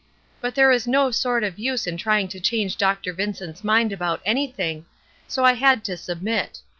But there is no sort of use in trying to change Dr. Vincent's mind about anything, so I had to submit.